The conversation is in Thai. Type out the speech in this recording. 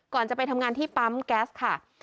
จะไปทำงานที่ปั๊มแก๊สค่ะ